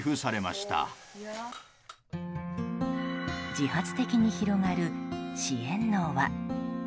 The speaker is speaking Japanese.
自発的に広がる支援の輪。